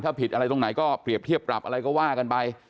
ถ้าผิดอะไรตรงไหนก็เปรียบเทียบปรับอะไรก็ว่ากันไป